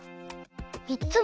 みっつも？